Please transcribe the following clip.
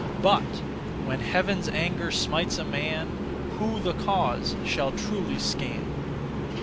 But When Heaven's anger smites a man, Who the cause shall truly scan?